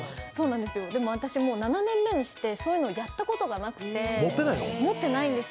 私、もう７年目にしてそういうのをやったことがなくて、持ってないんですよ。